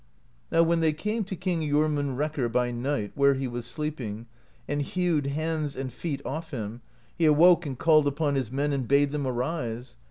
Now when they came to King Jormunrekkr by night, where he was sleeping, and hewed hands and feet off him, he awoke and called upon his men, and bade them arise.